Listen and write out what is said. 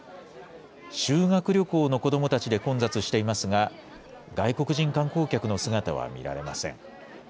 修学旅行の子どもたちで混雑していますが、外国人観光客の姿は見られません。